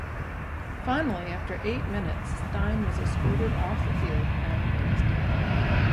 Finally, after eight minutes, Stein was escorted off the field and arrested.